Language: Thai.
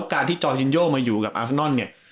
โอปการณ์ที่จอจินโยมาอยู่กับอัลฟานต้อนเนี้ย